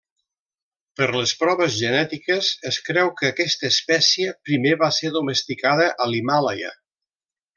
Per les proves genètiques es creu que aquesta espècie primer va ser domesticada a l'Himàlaia.